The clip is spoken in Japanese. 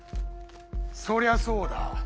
そりゃそうだ。